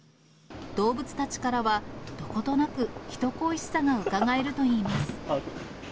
動物たちからは、どことなく人恋しさがうかがえるといいます。